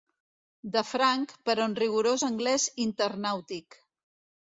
De franc, però en rigorós anglès internàutic.